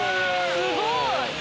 すごい。